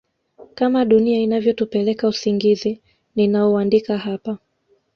kama dunia inavyotupeleka Usingizi ninaouandika hapa